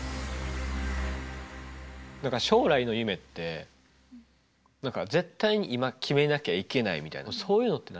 何か将来の夢って絶対に今決めなきゃいけないみたいなそういうのって